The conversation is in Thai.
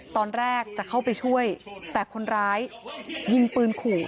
ตอนแรกจะเข้าไปช่วยแต่คนร้ายยิงปืนขู่